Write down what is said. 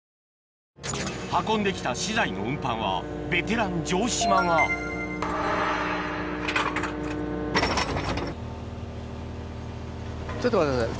運んできた資材の運搬はベテラン城島がちょっと待ってください